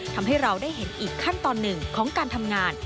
ทำให้เราได้เห็นอีกขั้นตอนหนึ่งของการทำงาน